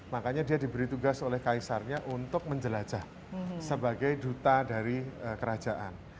makanya dia diberi tugas oleh kaisarnya untuk menjelajah sebagai duta dari kerajaan